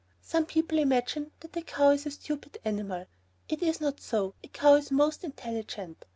Some people imagine that a cow is a stupid animal. It is not so, a cow is most intelligent.